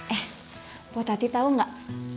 eh pok tati tau nggak